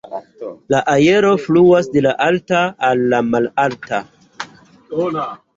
La aero fluas de la alta al la malalta.